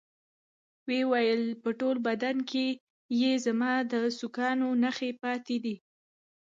ويې ويل په ټول بدن کښې يې زما د سوکانو نخښې پاتې دي.